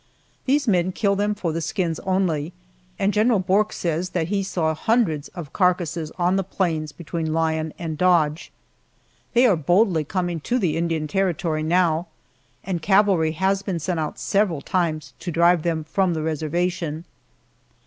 These men kill them for the skins only, and General Bourke said that he saw hundreds of carcasses on the plains between Lyon and Dodge. They are boldly coming to the Indian Territory now, and cavalry has been sent out several times to drive them from the reservation.